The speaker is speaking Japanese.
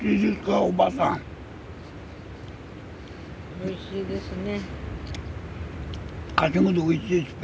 おいしいですね。